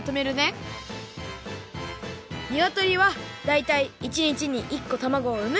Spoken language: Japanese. にわとりはだいたい１にちに１こたまごをうむ。